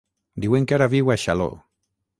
Diuen que ara viu a Xaló.